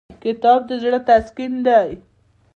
کتاب د زړه تسکین دی.